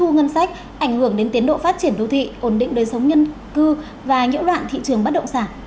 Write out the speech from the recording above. ngân sách ảnh hưởng đến tiến độ phát triển đô thị ổn định đời sống nhân cư và nhiễu đoạn thị trường bắt động sản